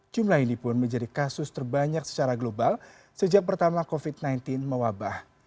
jumlah ini pun menjadi kasus terbanyak secara global sejak pertama covid sembilan belas mewabah